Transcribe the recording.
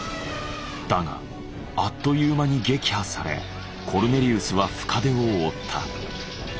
だがあっという間に撃破されコルネリウスは深手を負った。